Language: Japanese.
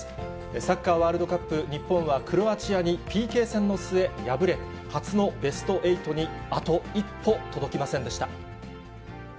サッカーワールドカップ、日本はクロアチアにＰＫ戦の末、敗れ、初のベスト８にあと一歩届きませんでした。